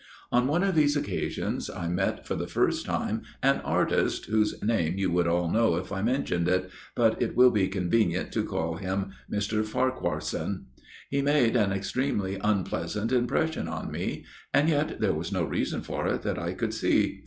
" On one of these occasions I met for the first time an artist, whose name you would all know if I mentioned it, but it will be convenient to call him Mr. Farquharson . He made an extremely unpleasant impression on me, and yet there was no reason for it that I could see.